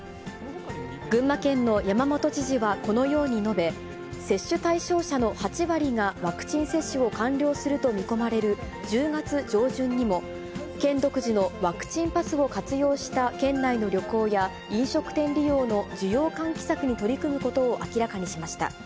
群馬県の山本知事はこのように述べ、接種対象者の８割がワクチン接種を完了すると見込まれる１０月上旬にも、県独自のワクチンパスを活用した県内の旅行や、飲食店利用の需要喚起策に取り組むことを明らかにしました。